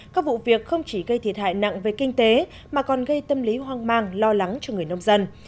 các vụ việc không chỉ gây thiệt hại nặng về kinh tế mà còn gây tâm lý hoang mang lo lắng cho người nông dân